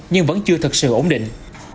nhưng vẫn chưa thật sự ổn định